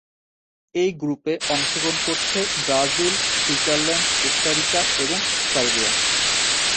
এই গ্রুপে অংশগ্রহণ করছে ব্রাজিল, সুইজারল্যান্ড, কোস্টা রিকা এবং সার্বিয়া।